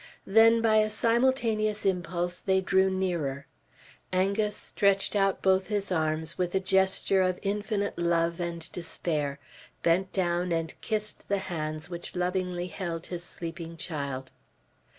Then by a simultaneous impulse they drew nearer. Angus stretched out both his arms with a gesture of infinite love and despair, bent down and kissed the hands which lovingly held his sleeping child.